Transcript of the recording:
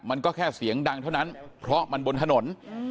มันก็แค่เสียงดังเท่านั้นเพราะมันบนถนน